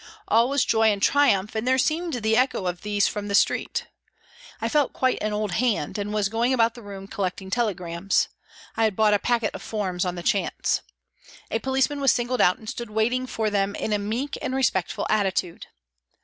All was joy and triumph, and there seemed the echo of these from the street. I felt quite an old hand, and was going about the room collecting telegrams ; I had bought a packet of forms on the chance. A policeman was singled out and stood waiting for them in a meek and respectful attitude.